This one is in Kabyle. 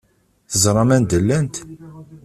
Teẓram anda llant?